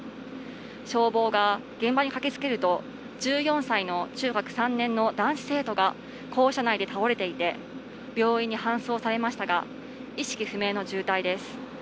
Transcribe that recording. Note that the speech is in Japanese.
消防が現場に駆けつけると１４歳の中学３年の男子生徒が校舎内で倒れていて、病院に搬送されましたが、意識不明の重体です。